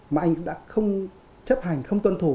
mà anh đã không chấp hành không tuân thủ